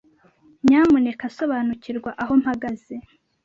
Nyamuneka sobanukirwa aho mpagaze.